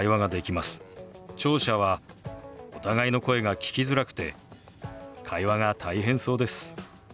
聴者はお互いの声が聞きづらくて会話が大変そうです。